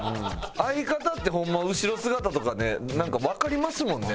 相方ってホンマ後ろ姿とかでなんかわかりますもんね